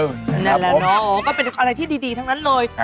นั่นแหละเนาะก็เป็นอะไรที่ดีทั้งนั้นเลย